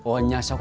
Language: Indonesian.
oh ya sok